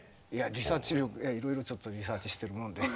いろいろちょっとリサーチしてるもんで。